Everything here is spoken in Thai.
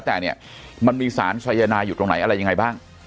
แต่มันมีสารชัยนายอยู่ตรงไหนอะไรอย่างไรบ้าง